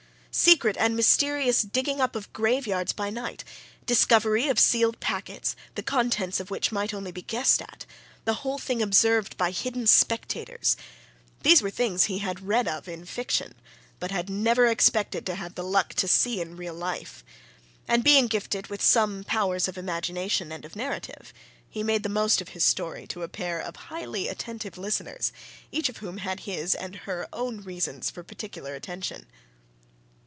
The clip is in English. Secret and mysterious digging up of grave yards by night discovery of sealed packets, the contents of which might only be guessed at the whole thing observed by hidden spectators these were things he had read of in fiction, but had never expected to have the luck to see in real life. And being gifted with some powers of imagination and of narrative, he made the most of his story to a pair of highly attentive listeners, each of whom had his, and her, own reasons for particular attention.